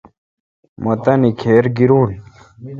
مہتانی کھِر گیرون۔